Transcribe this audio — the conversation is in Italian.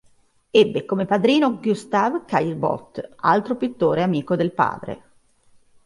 Ebbe come padrino Gustave Caillebotte, altro pittore amico del padre.